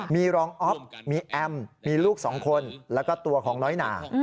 มีรองอ๊อฟมีแอมมีลูก๒คนแล้วก็ตัวของน้อยหนา